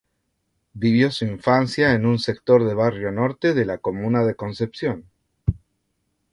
Vivió su infancia en un sector de Barrio Norte de la comuna de Concepción.